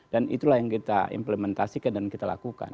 dan itulah yang kita implementasikan dan kita lakukan